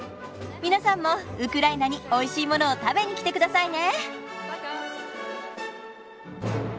皆さんもウクライナにおいしいものを食べに来てくださいね。